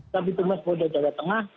kami teman polda jawa tengah